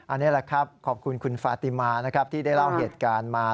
อันนี้แหละครับขอบคุณคุณฟาติมานะครับที่ได้เล่าเหตุการณ์มา